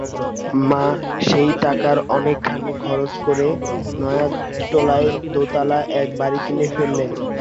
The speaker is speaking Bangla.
মা সেই টাকার অনেকখানি খরচ করে নয়াটোলায় দোতলা এক বাড়ি কিনে ফেললেন।